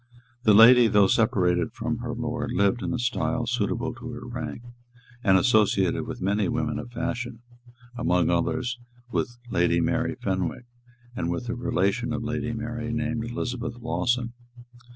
The lady, though separated from her lord, lived in a style suitable to her rank, and associated with many women of fashion, among others, with Lady Mary Fenwick, and with a relation of Lady Mary, named Elizabeth Lawson.